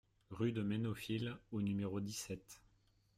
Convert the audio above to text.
Rue de Meneaufil au numéro dix-sept